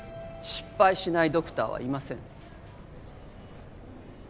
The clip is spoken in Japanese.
失敗しないドクターはいません。